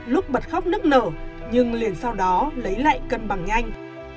lúc bật khóc nức nở nhưng liền sau đó lấy lại cân bằng nhanh